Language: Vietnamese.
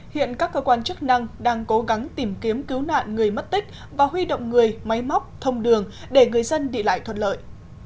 hiện các cơ quan chức năng đang cố gắng tìm kiếm cứu nạn người mất tích và huy động người máy móc thông đường để người dân đi lại thuận lợi